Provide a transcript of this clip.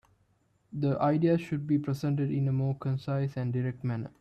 The ideas should be presented in a more concise and direct manner.